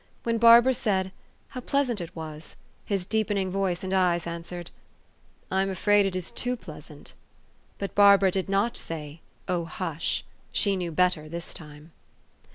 When Barbara said, How pleasant it was ! his deepening voice and eyes answered, 44 1 am afraid it is too pleasant." But Barbara did not say, " Oh, hush! " She knew better this time.